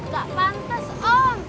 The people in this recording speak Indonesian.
gak pantas om